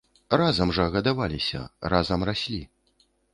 Разам жа гадаваліся, разам раслі.